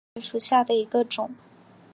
槲蕨是水龙骨科槲蕨属下的一个种。